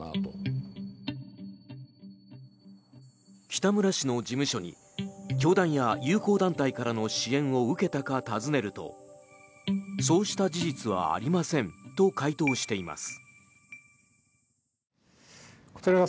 北村氏の事務所に教団や友好団体からの支援を受けたか尋ねるとそうした事実はありませんと回答しています。